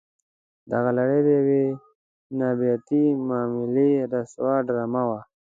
دغه لړۍ د یوې نیابتي معاملې رسوا ډرامه وه.